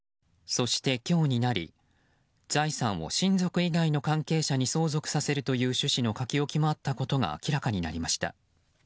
そして今日になり財産を親族以外の関係者に相続させるという趣旨の書き置きがあったことも明らかになりました。